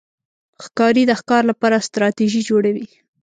ښکاري د ښکار لپاره ستراتېژي جوړوي.